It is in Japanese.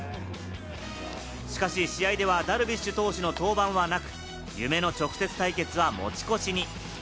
しかし試合ではダルビッシュ投手の登板はなく、夢の直接対決は持ち越しに。